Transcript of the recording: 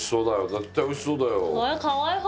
絶対美味しそうだよ。